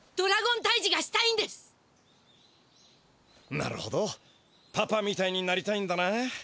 なるほどパパみたいになりたいんだな。